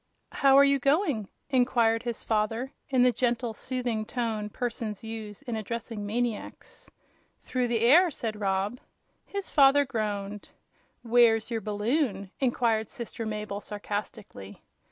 "How are you going?" inquired his father, in the gentle, soothing tone persons use in addressing maniacs. "Through the air," said Rob. His father groaned. "Where's your balloon?" inquired sister Mabel, sarcastically.